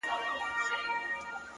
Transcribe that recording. o تا د جنگ لويه فلـسفه ماتــه كــړه،